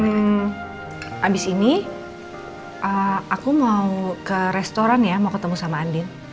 habis ini aku mau ke restoran ya mau ketemu sama andin